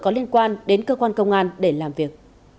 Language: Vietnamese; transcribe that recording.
có liên quan đến cơ quan công an để làm việc